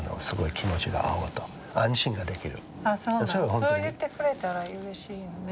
そう言ってくれたらうれしいよね。